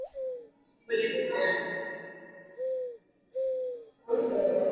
ya hali ya hewaNi aina nyingine ya uchafuzi mwingi katika sayari yetu